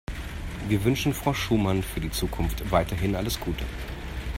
Wir wünschen Frau Schumann für die Zukunft weiterhin alles Gute.